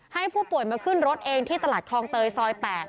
ให้ผู้ป่วยมาขึ้นรถเองที่ตลาดคลองเตยซอย๘